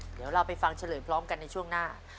เดี๋ยวเราไปฟังเฉลยพร้อมกันในช่วงหน้า